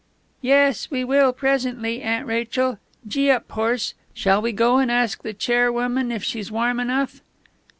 "Yes, we will, presently, Aunt Rachel; gee up, horse!... Shall we go and ask the chair woman if she's warm enough?"